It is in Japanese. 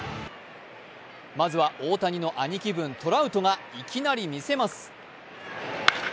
まずは大谷の兄貴分、トラウトがいきなり見せます。